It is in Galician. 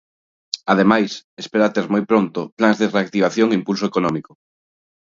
Ademais, espera ter "moi pronto" plans de reactivación e impulso económico.